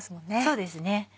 そうですね。